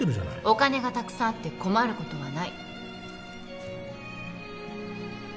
お金がたくさんあって困ることはない。